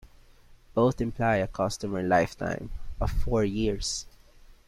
Both imply a customer lifetime of four years.